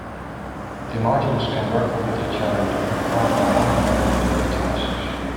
The modules can work with each other to perform a wide variety of tasks.